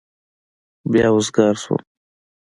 بيا وزگار سوم.